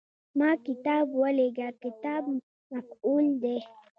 ما کتاب ولېږه – "کتاب" مفعول دی.